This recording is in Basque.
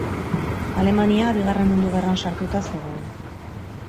Alemania Bigarren Mundu Gerran sartuta zegoen.